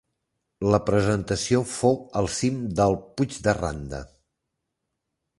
La presentació fou al cim del Puig de Randa.